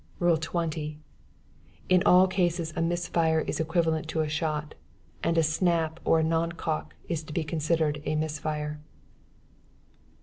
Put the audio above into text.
"Rule 20. In all cases a miss fire is equivalent to a shot, and a snap or a non cock is to be considered as a miss fire.